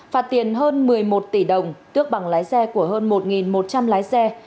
phạt tiền hơn một mươi một tỷ đồng tước bằng lái xe của hơn một một trăm linh lái xe